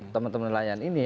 teman teman nelayan ini